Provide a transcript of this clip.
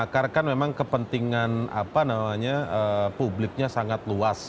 karena kan memang kepentingan apa namanya publiknya sangat luas